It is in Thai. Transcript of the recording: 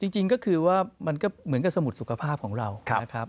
จริงก็คือว่ามันก็เหมือนกับสมุดสุขภาพของเรานะครับ